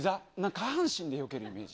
下半身でよけるイメージ。